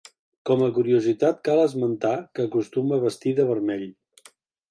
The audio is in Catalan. Com a curiositat cal esmentar que acostuma a vestir de vermell.